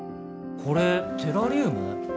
これテラリウム？